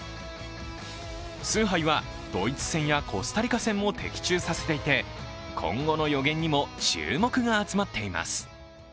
スーハイはドイツ戦やコスタリカ戦も的中させていて今後の予言にも注目が集まっています。